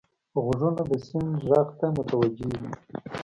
غوږونه د سیند غږ ته متوجه وي